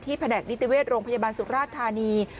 แผนกนิติเวชโรงพยาบาลสุราชธานี